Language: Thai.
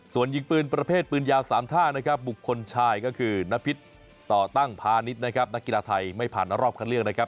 ส่วนยิงปืนประเภทปืนยาสามท่าบุคคลชายนพิษต่อตั้งพาณิชย์นักกีฬาไทยไม่ผ่านรอบคันเลือก